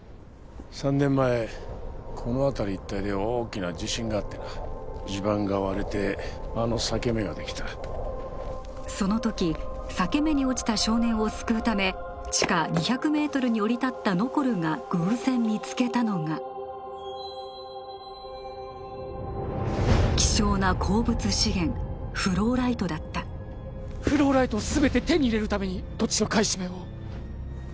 ３年前このあたり一帯で大きな地震があってな地盤が割れてあの裂け目ができたそのとき裂け目に落ちた少年を救うため地下２００ｍに降り立ったノコルが偶然見つけたのが希少な鉱物資源フローライトだったフローライトを全て手に入れるために土地の買い占めを？